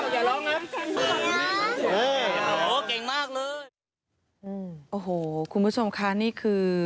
เจอเย็นคุณกินข้าวไหมลูกโอเค